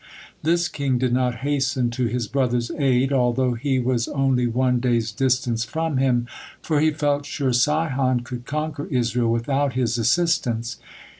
This king did not hasten to his brother's aid, although he was only one day's distance from him, for he felt sure Sihon could conquer Israel without his assistance.